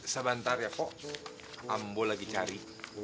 sebentar ya kok ambo lagi cari